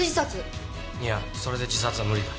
いやそれで自殺は無理だ。